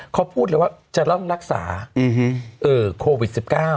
เขาพูดเลยว่าจะเริ่มรักษาโควิด๑๙